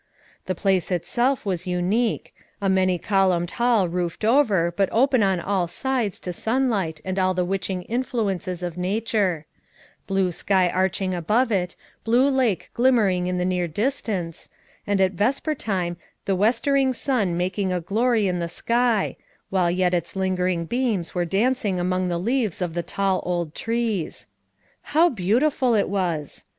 The place itself was unique, a many columned hall roofed over but open on all sides to sunlight and all the witching influences of nature; blue sky arching above it, blue lake glimmering in the near dis tance, and at vesper time the westering sun making a glory in the sky, while yet its linger FOTJK MOTHERS AT CHAUTAUQUA 129 ing beams were dancing among the leaves of the tall old trees. How beautiful it was!